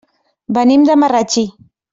Venim de Marratxí.